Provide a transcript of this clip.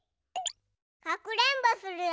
かくれんぼするよ。